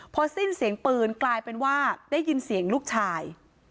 พอสิ้นเสียงปืนกลายเป็นว่าได้ยินเสียงลูกชาย